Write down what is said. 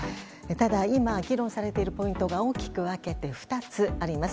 ただ、今議論されているポイントが大きく分けて２つあります。